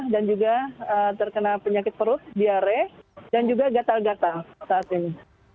dan juga terkena penyakit perut diare dan juga gatal gatal saat ini